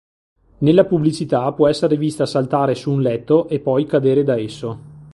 Nella pubblicità può essere vista saltare su un letto e poi cadere da esso.